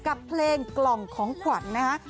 กับเพลงกล่องของขวัญนะคะ